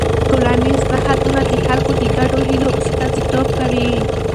ټولنیز نهادونه د خلکو د ګډو هيلو استازیتوب کوي.